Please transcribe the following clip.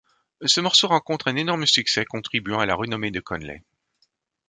Ce morceau rencontre un énorme succès contribuant à la renommée de Conley.